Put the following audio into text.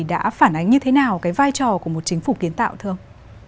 đã phản ánh như thế nào cái vai trò của một chính phủ kiến tạo thưa ông